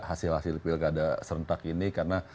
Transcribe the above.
hasil hasil pilkada serentak ini karena